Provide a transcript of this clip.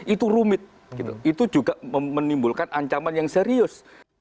itu rumit itu juga menimbulkan ancaman yang serius